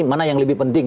mana yang lebih penting